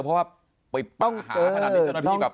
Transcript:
เพราะว่าต้องเจอครับ